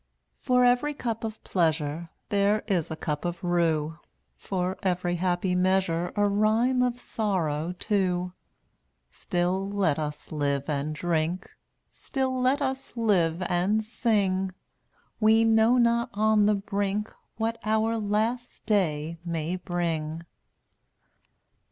0Utt<J For every cup of pleasure d^tttAI* There is a cup of rue, For every happy measure (j*^ A rhyme of sorrow, too. Still, let us live and drink, Still, let us live and sing; We know not on the brink What our last day may bring.